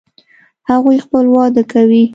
هغوی خپل واده کوي